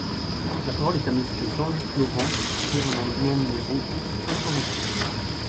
La parole est à Monsieur Jean-Luc Laurent, pour soutenir l’amendement numéro cinq cent vingt-quatre.